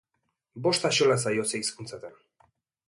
Bost axola zaio zer hizkuntzatan.